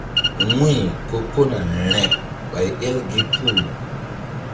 Wu̧y ko kona rȩɗ ɓay el gi puh.